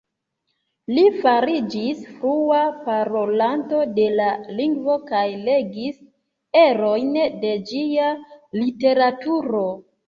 Li fariĝis flua parolanto de la lingvo kaj legis erojn de ĝia literaturo.